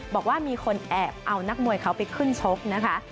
บอกว่ามีคนแอบเอานักมวยเขาไปขึ้นชกนะคะ